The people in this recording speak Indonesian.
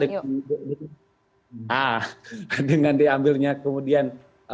nah dengan diambilnya kemudian